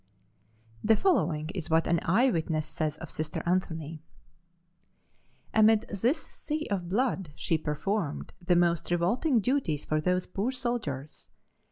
The following is what an eye witness says of Sister Anthony: "Amid this sea of blood she performed the most revolting duties for those poor soldiers.